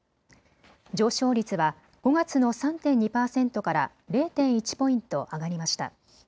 上昇率は５月の３．２％から０．１ポイント上がりました。